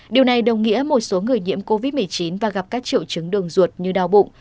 điều này đồng nghĩa một số người nhiễm covid một mươi chín và gặp các triệu chứng đường ruột như đau bụng